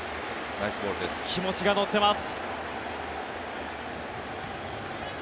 気持ちが乗ってます。